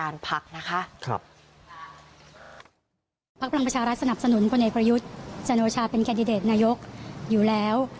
ราชสนับสนุนโพไนก์ประยุทธจานโนชาเป็นแคดดาทนายกอยู่แล้ว